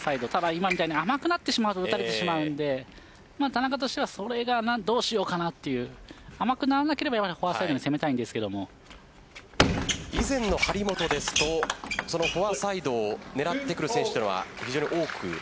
今みたいに甘くなってしまうと打たれてしまうので田中としてはそれはどうしようかなという甘くならなければ今のように攻めたいんですけど以前の張本ですとそのフォアサイドを狙ってくる選手というのは非常に多く。